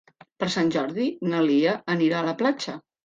Per Sant Jordi na Lia anirà a la platja.